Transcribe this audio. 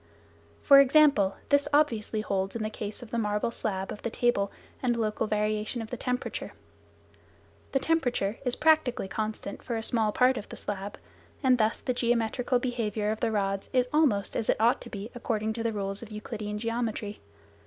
For example, this obviously holds in the case of the marble slab of the table and local variation of temperature. The temperature is practically constant for a small part of the slab, and thus the geometrical behaviour of the rods is almost as it ought to be according to the rules of Euclidean geometry.